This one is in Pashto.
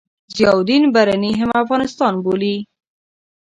ضیاألدین برني هم افغانستان بولي.